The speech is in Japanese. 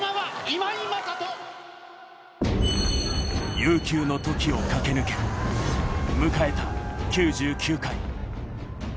悠久の時を駆け抜け、迎えた９９回。